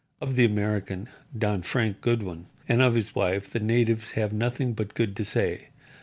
Of the American, Don Frank Goodwin, and of his wife the natives have nothing but good to say.